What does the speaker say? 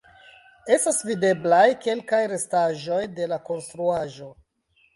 Estas videblaj kelkaj restaĵoj de la konstruaĵo.